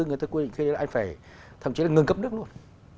người ta quyết định là anh phải thậm chí là ngừng cấp nước luôn